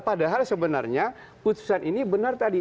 padahal sebenarnya putusan ini benar tadi